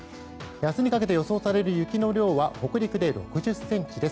明日にかけて予想される雪の量は北陸で６０ｃｍです。